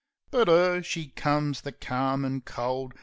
But 'er, she comes the calm an' cold.